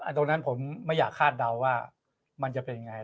ตรงนั้นผมไม่อยากคาดเดาว่ามันจะเป็นยังไง